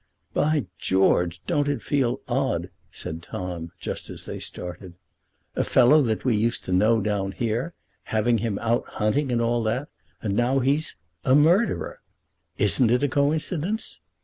"By George, don't it feel odd," said Tom just as they started, "a fellow that we used to know down here, having him out hunting and all that, and now he's a murderer! Isn't it a coincidence?"